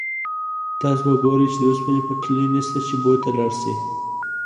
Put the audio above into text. تاسو به ګورئ چې د اوسپنې پټلۍ نشته چې بو ته لاړ شئ.